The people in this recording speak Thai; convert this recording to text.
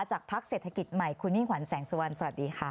พักเศรษฐกิจใหม่คุณมิ่งขวัญแสงสุวรรณสวัสดีค่ะ